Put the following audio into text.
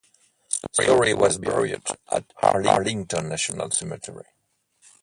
Story was buried at Arlington National Cemetery.